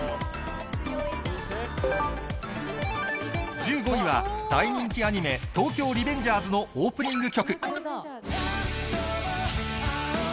１５位は、大人気アニメ、東京リベンジャーズのオープニング曲。